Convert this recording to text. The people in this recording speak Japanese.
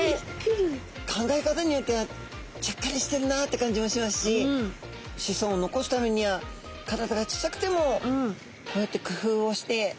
考え方によってはちゃっかりしてるなって感じもしますし子孫を残すためには体が小さくてもこうやってくふうをしてがんばるというか。